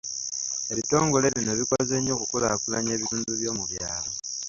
Ebitongole bino bikoze nnyo okukulaakulanya ebitundu by'omu byalo.